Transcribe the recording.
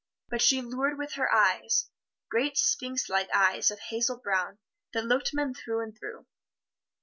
But she lured with her eyes great sphinx like eyes of hazel brown that looked men through and through.